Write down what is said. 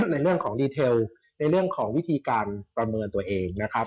ในเรื่องของดีเทลในเรื่องของวิธีการประเมินตัวเองนะครับ